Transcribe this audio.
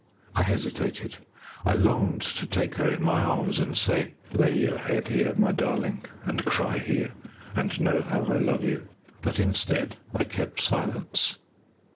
I hesitated. I longed to take her in my arms and say "Lay your head here, my darling, and cry here, and know how I love you." But instead I kept silence.